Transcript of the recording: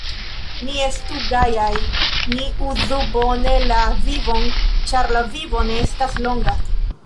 Ni estu gajaj, ni uzu bone la vivon, ĉar la vivo ne estas longa.